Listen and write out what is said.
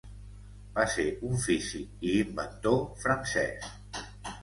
Va ser un físic i inventor francès.